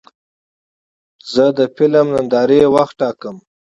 زه د فلم د نندارې وخت ټاکم.